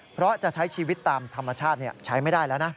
เพราะจะใช้ชีวิตตามธรรมชาติใช้ไม่ได้แล้วนะ